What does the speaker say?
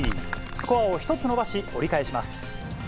スコアを１つ伸ばし、折り返します。